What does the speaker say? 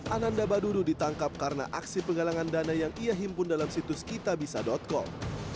ananda badudu ditangkap karena aksi penggalangan dana yang ia himpun dalam situs kitabisa com